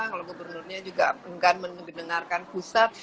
kalau gubernurnya juga enggan mendengarkan pusat